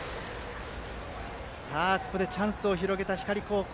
ここでチャンスを広げた光高校。